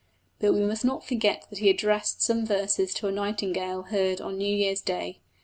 But we must not forget that he addressed some verses to a nightingale heard on New Year's Day.